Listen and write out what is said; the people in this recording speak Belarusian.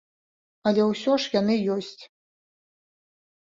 Але ўсё ж яны ёсць.